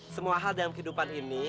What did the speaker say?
semua hal dalam kehidupan ini